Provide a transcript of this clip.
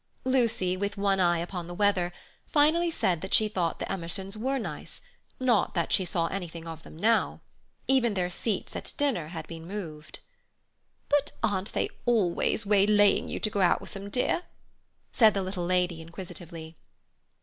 Lucy, with one eye upon the weather, finally said that she thought the Emersons were nice; not that she saw anything of them now. Even their seats at dinner had been moved. "But aren't they always waylaying you to go out with them, dear?" said the little lady inquisitively.